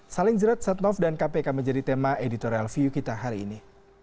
saling jerat setnov dan kpk menjadi tema editorial view kita hari ini